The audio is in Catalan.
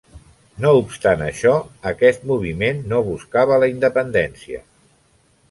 No obstant això, aquest moviment no buscava la independència.